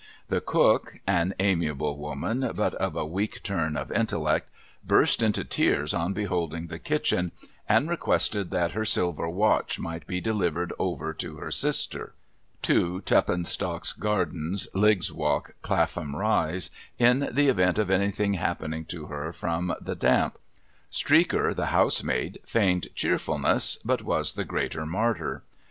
The cook (an amiable woman, but of a weak turn of intellect) burst into tears on beholding the kitchen, and requested that her silver watch might be delivered over to her sister (2 Tuppintock's Gardens, Liggs's Walk, Clapham Rise), in the event of anything happening to her from the damp. Streaker, the housemaid, feigned cheerfulness, but was the greater martyr.